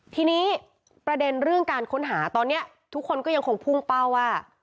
ทีนี้ประเด็นเรื่องการค้นหาตอนนี้ทุกคนก็ยังคงพุ่งเป้าว่า